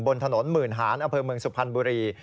บนถนนหมื่นหานอเมืองสุพลันบุตรี